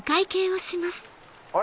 あれ？